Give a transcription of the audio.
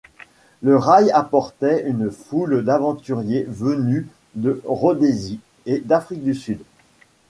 Le rail apporte une foule d'aventuriers venus de Rhodésie et d'Afrique du Sud.